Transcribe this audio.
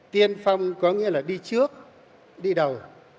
tiên phong có nghĩa là đi trước đi đầu